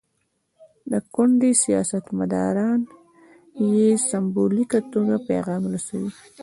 د کونډې سیاستمداران یې سمبولیکه توګه پیغام رسوي.